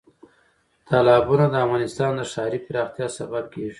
تالابونه د افغانستان د ښاري پراختیا سبب کېږي.